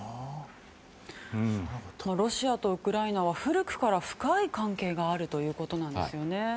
ロシアとウクライナは古くから深い関係があるということなんですよね。